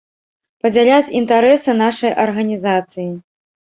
Падзяляць інтарэсы нашай арганізацыі.